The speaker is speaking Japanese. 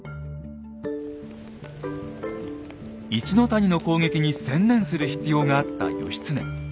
一の谷の攻撃に専念する必要があった義経。